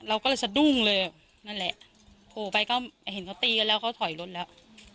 เราก็เลยสะดุ้งเลยนั่นแหละโผล่ไปก็เห็นเขาตีกันแล้วเขาถอยรถแล้ว